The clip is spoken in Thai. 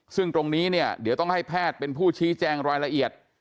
ซึ่งตรงนี้เนี่ยเดี๋ยวต้องให้แพทย์เป็นผู้ชี้แจงรายละเอียด